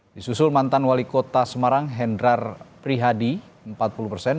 disusul mantan wali kota semarang hendrar prihadi empat puluh persen